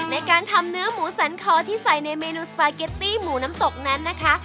ในการทำเนื้อหมูสันคอที่ใส่ในเมนูสปาเกตตี้หมูน้ำตกนั้นนะคะ